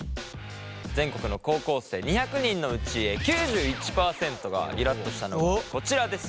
全国の高校生２００人のうち９１％がイラっとしたのがこちらです。